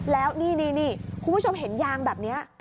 แล้วนี่คุณผู้ชมเห็นยางแบบนี้